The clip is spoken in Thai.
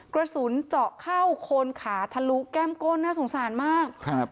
กระสุนเจาะเข้าโคนขาทะลุแก้มก้นน่าสงสารมากครับ